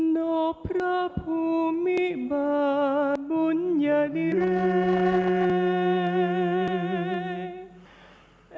โนพระภูมิบาปุญญาดิเรย์